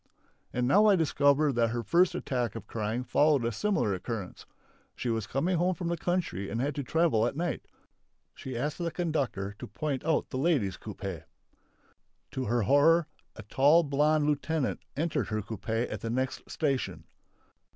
And now I discover that her first attack of crying followed a similar occurrence. She was coming home from the country and had to travel at night. She asked the conductor to point out the ladies' coupé. To her horror a tall, blonde lieutenant entered her coupé at the next station.